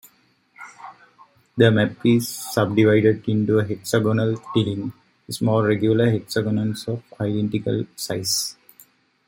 The map is subdivided into a hexagonal tiling, small regular hexagons of identical size.